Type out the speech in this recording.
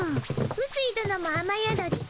うすいどのも雨宿りか？